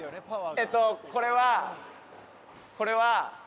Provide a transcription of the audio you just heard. えっとこれはこれは。